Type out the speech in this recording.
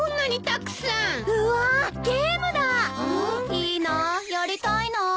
いいなやりたいな。